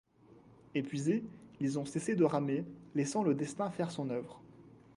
Épuisés, ils ont cessé de ramer laissant le destin faire son œuvre.